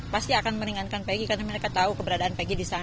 pasti akan meringankan peggy karena mereka tahu keberadaan pegg di sana